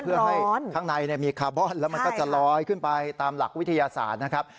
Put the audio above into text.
เพื่อให้ข้างในมีคาร์บอนแล้วมันก็จะลอยขึ้นไปตามหลักวิทยาศาสตร์นะครับ